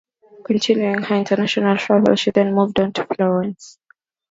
Continuing her international travels, she then moved on to Florence.